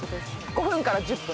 ５分から１０分？